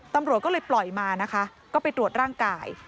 ตำรวจก็เลยปล่อยมานะคะก็ไปตรวจร่างกาย